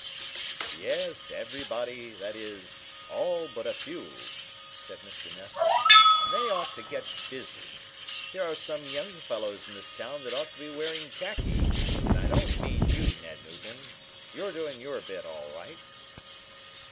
"Yes, everybody that is, all but a few," said Mr. Nestor, "and they ought to get busy. There are some young fellows in this town that ought to be wearing khaki, and I don't mean you, Ned Newton. You're doing your bit, all right."